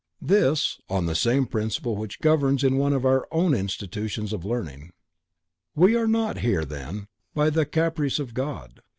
This, on the same principle which governs in one of our own institutions of learning. We are not here then, by the caprice of God.